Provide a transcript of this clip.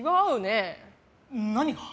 何が？